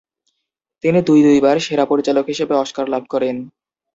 তিনি দুই দুইবার সেরা পরিচালক হিসেবে অস্কার লাভ করেন।